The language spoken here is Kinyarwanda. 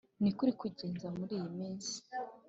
niki urimo kugeza muriyi minsi?